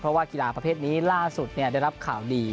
เพราะว่ากีฬาประเภทนี้ล่าสุดได้รับข่าวดี